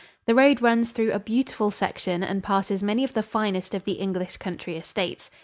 The road runs through a beautiful section and passes many of the finest of the English country estates.